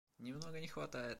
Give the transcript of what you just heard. Немного не хватает.